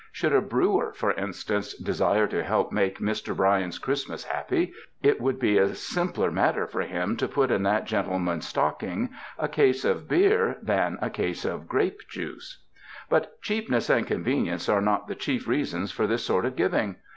Should a brewer, for instance, desire to help make Mr. Bryan's Christmas happy, it would be a simpler matter for him to put in that gentleman's stocking a case of beer than a case of grape juice. But cheapness and convenience are not the chief reasons for this sort of giving.